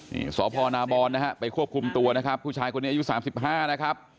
นี่สพนาบรนะฮะไปควบคุมตัวนะครับผู้ชายคนนี้อายุ๓๕นะครับ